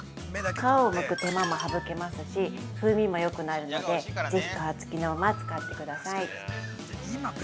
◆皮をむく手間も省けますし風味もよくなるのでぜひ皮つきのまま使ってください。